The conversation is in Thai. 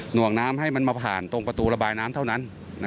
ห่วงน้ำให้มันมาผ่านตรงประตูระบายน้ำเท่านั้น